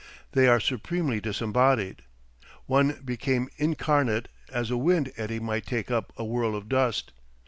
They are supremely disembodied. One became incarnate as a wind eddy might take up a whirl of dust.